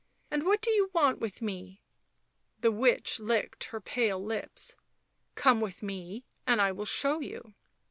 " And what do you want with me ?" The witch licked her pale lips. " Come with me and I will show you."